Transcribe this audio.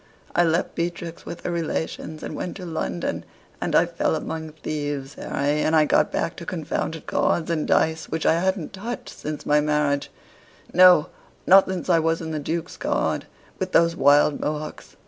I left Beatrix with her relations, and went to London; and I fell among thieves, Harry, and I got back to confounded cards and dice, which I hadn't touched since my marriage no, not since I was in the Duke's Guard, with those wild Mohocks.